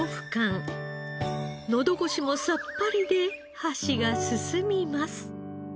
のど越しもさっぱりで箸が進みます。